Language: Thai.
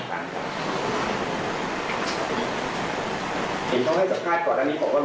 เห็นเขาให้สังฆาตก่อนอันนี้ผมว่ามีเรื่องเรื่องทรัพย์ศิลป์ที่เขาอ้าง